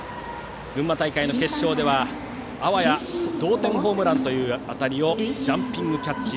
群馬大会の決勝ではあわや同点ホームランという当たりをジャンピングキャッチ。